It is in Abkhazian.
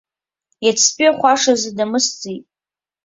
Иацтәи ахәашазы дамысӡеит.